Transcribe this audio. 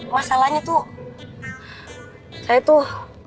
masalahnya tuh saya tuh